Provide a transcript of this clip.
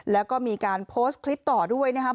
แล้วก็มีการโพสต์คลิปต่อด้วยนะครับ